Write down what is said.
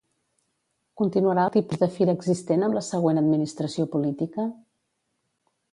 Continuarà el tipus de Fira existent amb la següent administració política?